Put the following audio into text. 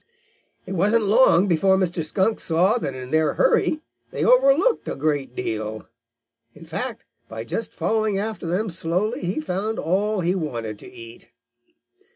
It wasn't long before Mr. Skunk saw that in their hurry they overlooked a great deal. In fact, by just following after them slowly, he found all he wanted to eat.